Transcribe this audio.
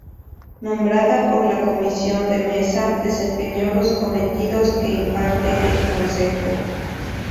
Nombrada por la Comisión de Mesa, desempeñó los cometidos que imparte el Concejo.